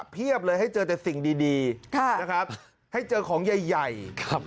เพียบเลยให้เจอแต่สิ่งดีนะครับให้เจอของใหญ่ใหญ่ครับ